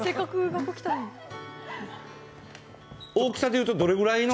大きさで言うとどれぐらいの？